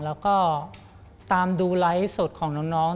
แล้วก็ตามดูไลฟ์สดของน้อง